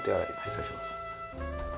失礼します。